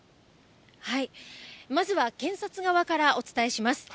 まずは検察側からお伝えします。